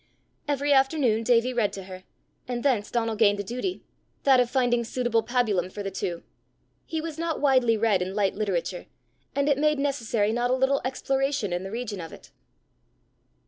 Every afternoon Davie read to her, and thence Donal gained a duty that of finding suitable pabulum for the two. He was not widely read in light literature, and it made necessary not a little exploration in the region of it.